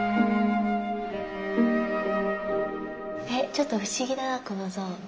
ちょっと不思議だなこの像。